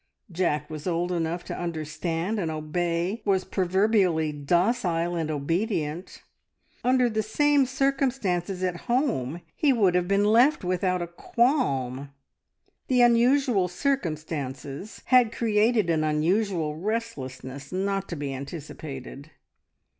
Jack was old enough to understand and obey, was proverbially docile and obedient. Under the same circumstances at home he would have been left without a qualm. The unusual circumstances had created an unusual restlessness not to be anticipated.